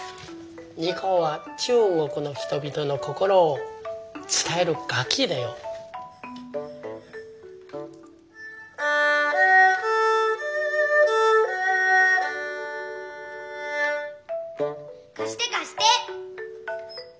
二胡は中国の人々の心をつたえる楽きだよ。かしてかして。